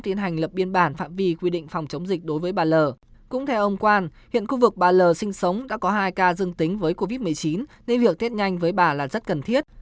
theo ông quan hiện khu vực ba l sinh sống đã có hai ca dương tính với covid một mươi chín nên việc test nhanh với bà là rất cần thiết